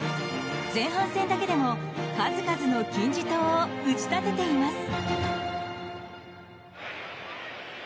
前半戦だけでも数々の金字塔を打ち立てています。